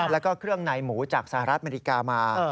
แล้วก็เครื่องในหมูจากสหรัฐอเมริกามา